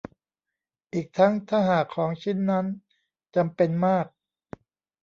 อีกทั้งถ้าหากของชิ้นนั้นจำเป็นมาก